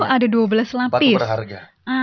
ada dua belas lapis batu berharga